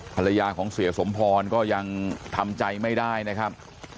ภรรยาของเสียสมพรก็ยังทำใจไม่ได้นะครับ